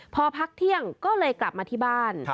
พอพักเที่ยงก็เลยกลับมาที่บ้าน